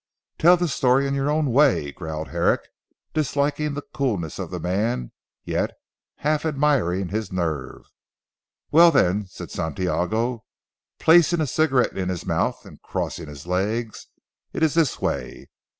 "Tell the story in your own way," growled Herrick disliking the coolness of the man yet half admiring his nerve. "Well then," said Santiago placing a cigarette in his mouth and crossing his legs, "it is this way.